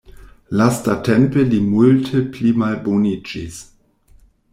Lastatempe li multe pli malboniĝis.